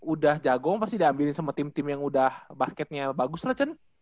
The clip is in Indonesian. udah jago pasti diambilin sama tim tim yang udah basketnya bagus lah cun